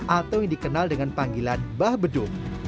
atau yang dikenal dengan panggilan mbah beduk